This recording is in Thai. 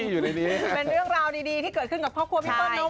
ก็ถือว่าเป็นเรื่องราวดีที่เกิดขึ้นกับครอบครัวพี่เปิ้ล